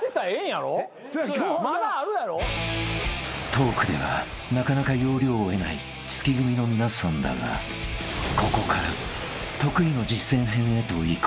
［トークではなかなか要領を得ない月組の皆さんだがここから得意の実践編へと移行］